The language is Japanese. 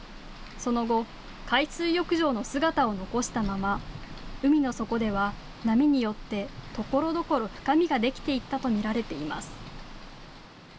その後、海水浴場の姿を残したまま海の底では波によってところどころ深みができていったと見られています。